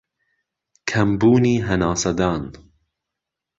کەمبوونی هەناسەدان